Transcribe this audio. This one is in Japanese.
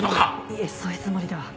いえそういうつもりでは。